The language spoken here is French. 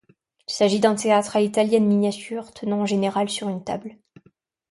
Il s'agit d'un théâtre à l'italienne miniature tenant en général sur une table.